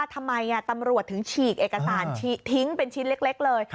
ทำไมตำรวจถึงฉีกเอกสารทิ้งเป็นชิ้นเล็กเลย